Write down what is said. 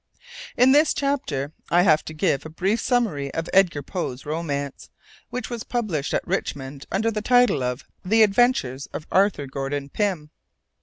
In this chapter I have to give a brief summary of Edgar Poe's romance, which was published at Richmond under the title of THE ADVENTURES OF ARTHUR GORDON PYM.